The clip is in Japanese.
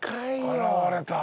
現れた。